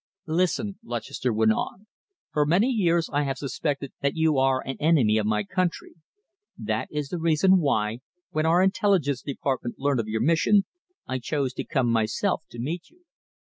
"Listen," Lutchester went on, "for many years I have suspected that you are an enemy of my country. That is the reason why, when our Intelligence Department learnt of your mission, I chose to come myself to meet you.